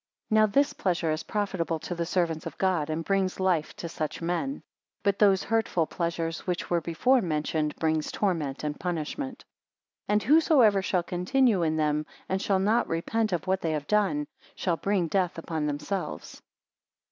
43 Now this pleasure is profitable to the servants of God, and brings life to such men; but those hurtful pleasures, which were before mentioned, bring torments and punishment. 44 And whosoever shall continue in them, and shall not repent of what they have done, shall bring death upon themselves.